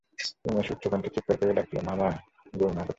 উমেশ উচ্চকণ্ঠে চীৎকার করিয়া ডাকিল, মা, মা গো, মা কোথায়?